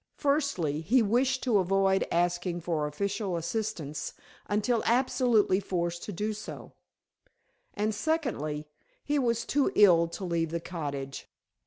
Firstly, he wished to avoid asking for official assistance until absolutely forced to do so; and secondly, he was too ill to leave the cottage.